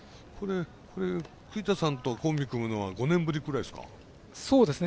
栗田さんとコンビ組むのは５年ぶりぐらいですか。